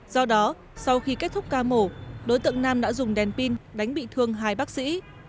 do đó sau khi kết thúc ca mổ đối tượng nam đã dùng đèn pin đánh bị thương hai bác sĩ